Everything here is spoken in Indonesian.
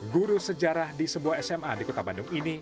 guru sejarah di sebuah sma di kota bandung ini